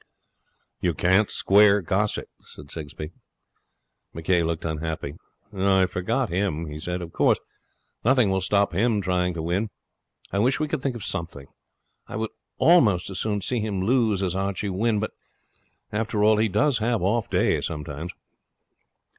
'You can't square Gossett,' said Sigsbee. McCay looked unhappy. 'I forgot him,' he said. 'Of course, nothing will stop him trying to win. I wish we could think of something. I would almost as soon see him lose as Archie win. But, after all, he does have off days sometimes.'